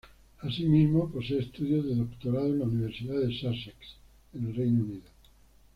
Asimismo, posee estudios de doctorado en la Universidad de Sussex, en el Reino Unido.